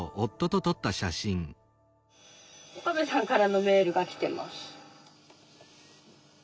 岡部さんからのメールが来てます。